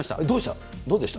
どうでした？